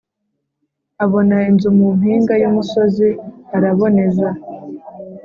abona inzu mu mpinga y' umusozi arabonez